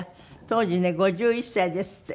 当時ね５１歳ですって。